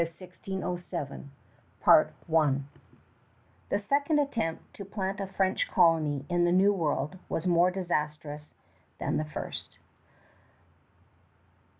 Croix The colonists in Acadia The second attempt to plant a French colony in the New World was more disastrous than the first.